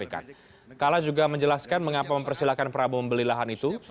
kala juga menjelaskan mengapa mempersilahkan prabowo membeli lahan itu